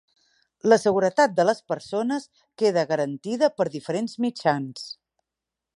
La seguretat de les persones queda garantida per diferents mitjans.